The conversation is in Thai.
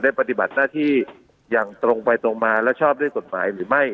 ปฏิบัติหน้าที่อย่างตรงไปตรงมาและชอบด้วยกฎหมายหรือไม่